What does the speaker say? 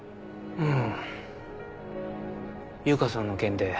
うん。